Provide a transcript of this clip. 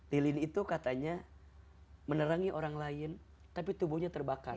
lilin itu katanya menerangi orang lain tapi tubuhnya terbakar